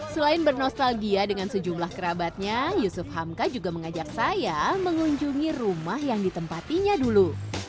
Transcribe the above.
selain bernostalgia dengan sejumlah kerabatnya yusuf hamka juga mengajak saya mengunjungi rumah yang ditempatinya dulu